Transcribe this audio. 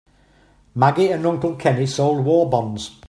Maggie and Uncle Kenny sold war bonds.